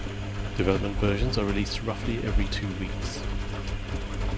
Development versions are released roughly every two weeks.